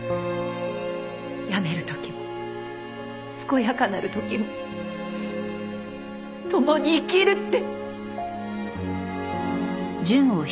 病める時も健やかなる時も共に生きるって。